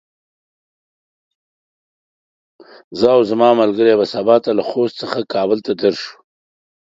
زه او زما ملګري به سبا ته له خوست څخه کابل ته درشو.